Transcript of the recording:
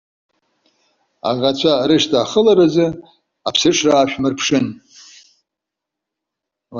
Аӷацәа рышьҭа ахыларазы аԥсыҽра аашәмырԥшын.